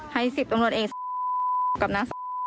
ให้สิบตำรวจเองครับนะ